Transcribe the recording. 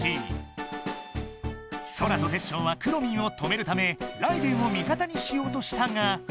ソラとテッショウはくろミンを止めるためライデェンを味方にしようとしたが。